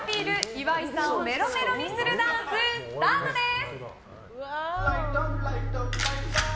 岩井さんをメロメロにするダンススタートです！